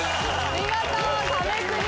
見事壁クリアです。